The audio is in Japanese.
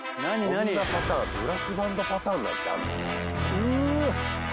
そんなパターンブラスバンドパターンなんてあんの？